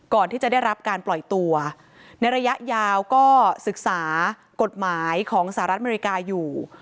ก่อนที่จะได้รับการปล่อยตัวในระยะยาวก็ศึกษากฎหมายของสหรัฐอเมริกาอยู่